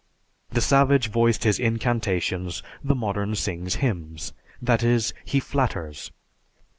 The savage voiced his incantations; the modern sings hymns, that is he flatters.